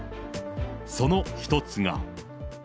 その１つが。